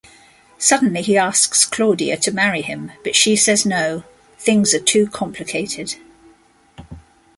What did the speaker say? Suddenly he asks Claudia to marry him, but she says no-things are too complicated.